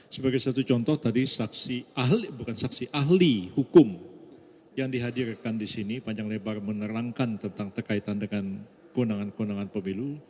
sebagai satu contoh tadi bukan saksi ahli hukum yang dihadirkan di sini panjang lebar menerangkan tentang terkaitan dengan kewenangan kewenangan pemilu